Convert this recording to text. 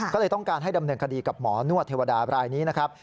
ก็เลยต้องการให้ดำเนินคดีกับหมอนวดเทวดาบรายนี้นะครับ